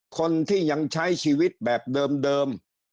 คนที่ยังใช้ชีวิตแบบเดิม